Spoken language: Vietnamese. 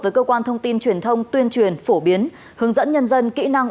với cơ quan thông tin truyền thông tuyên truyền phổ biến hướng dẫn nhân dân kỹ năng